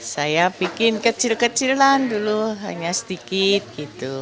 saya bikin kecil kecilan dulu hanya sedikit gitu